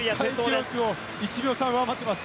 世界記録を１秒上回っています。